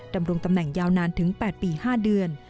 ดำรงตำแหน่งยาวนานถึง๘ปี๕เดือน